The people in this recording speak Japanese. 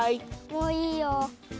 もういいよ。